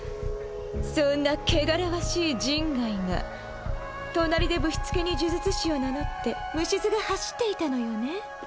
そんな汚らわしい人外が隣でぶしつけに呪術師を名乗って虫酸が走っていたのよね？